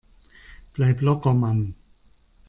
Bleib locker, Mann!